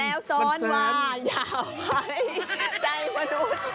แล้วซ้อนว่าอย่าไหมใจมนุษย์